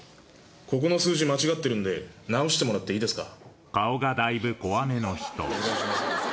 ここの数字間違ってるんで直してもらっていいですか？